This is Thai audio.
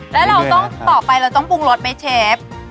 เรื่อยนะครับแล้วเราต้องต่อไปเราต้องปรุงรสไหมเชฟ